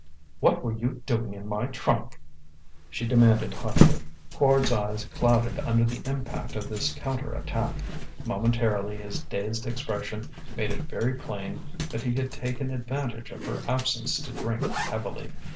"What were you doing in my trunk?" she demanded hotly. Quard's eyes clouded under the impact of this counter attack. Momentarily his dazed expression made it very plain that he had taken advantage of her absence to drink heavily.